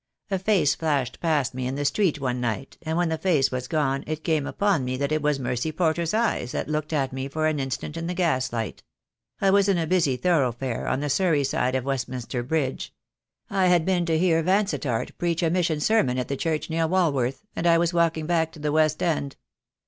A face flashed past me in the street one night, and when the face was gone it came upon me that it was Mercy Porter's eyes that looked at me for an instant in the gaslight. I was in a busy thoroughfare on the Surrey side of Westminster Bridge. I had been to hear Vansittart preach a mission sermon at a church near Walworth, and I was walking back to the West End.